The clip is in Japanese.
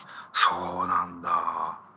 そうなんだ。